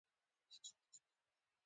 اوس دا پوځ اړ و چې خپله محاصره ماته کړي